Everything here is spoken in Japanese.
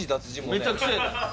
めちゃくちゃやで。